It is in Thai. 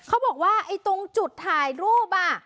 เขาบอกว่าตรงจุดถ่ายรูปอ่ะ